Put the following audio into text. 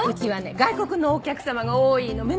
外国のお客様が多いの。